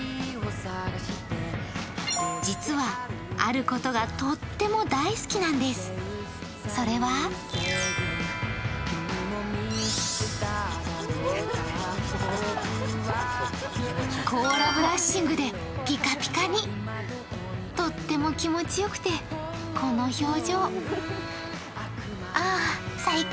実は、あることがとっても大好きなんです、それは甲羅ブラッシングで、ぴかぴかにとっても気持ちよくて、この表情。